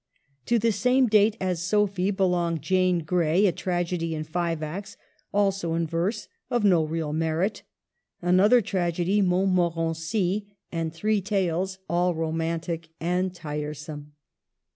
To the same date as Sophie belong yane Grey, a tragedy in five acts, also in verse, of no real merit ; another tragedy, Montmorency, and three tales — all romantic and tiresome.